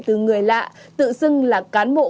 từ người lạ tự dưng là cán bộ